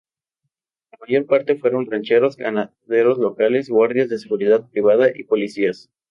La mayor parte fueron rancheros, ganaderos locales, guardias de seguridad privada y policías.